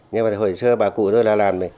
nhưng mà hồi xưa bà cụ tôi là